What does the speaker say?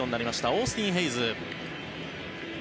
オースティン・ヘイズ。